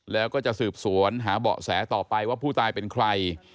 แล้วก็จะสืบสวนหาเบาะแสต่อไปว่าผู้ตายเป็นใคร